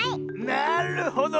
なるほど！